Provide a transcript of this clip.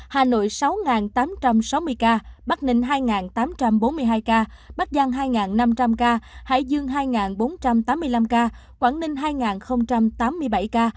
hà nội sáu tám trăm sáu mươi ca bắc ninh hai tám trăm bốn mươi hai ca bắc giang hai năm trăm linh ca hải dương hai bốn trăm tám mươi năm ca quảng ninh hai tám mươi bảy ca